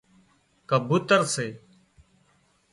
ڪبوتر سي